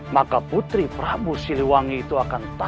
maka putri prabu siluang itu akan terjadi